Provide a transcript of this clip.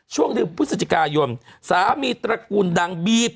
ช่วงเดือนพฤศจิกายนสามีตระกูลดังบีบ